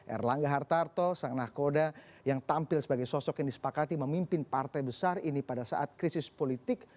erlangga hartarto sang nakoda yang tampil sebagai sosok yang disepakati memimpin partai besar ini pada saat krisis politik